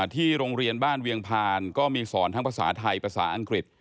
ที่โรงเรียนบ้านเวียงพานก็มีสอนทั้งภาษาไทยภาษาอังกฤษ